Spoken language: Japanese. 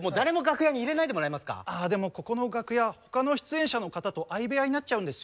でもここの楽屋他の出演者の方と相部屋になっちゃうんですよ。